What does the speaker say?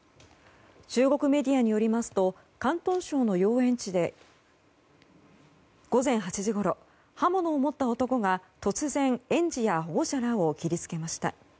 中国メディアによりますと広東省の幼稚園で午前８時ごろ刃物を持った男が突然、園児や保護者らを切りつけました。